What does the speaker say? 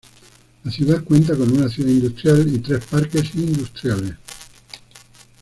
La ciudad cuenta con una ciudad industrial y tres parques industriales.